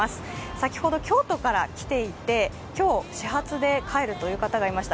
先ほど京都から来ていて、今日、始発で帰るという方がいました。